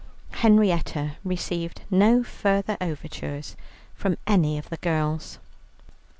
Henrietta received no further overtures from any of the girls.